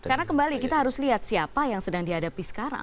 karena kembali kita harus lihat siapa yang sedang dihadapi sekarang